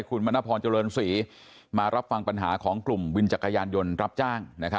คุณมณพรเจริญศรีมารับฟังปัญหาของกลุ่มวินจักรยานยนต์รับจ้าง